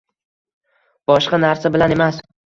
Boshqa narsa bilan emas.